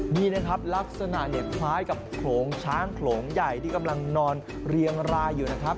นี่นะครับลักษณะเนี่ยคล้ายกับโขลงช้างโขลงใหญ่ที่กำลังนอนเรียงรายอยู่นะครับ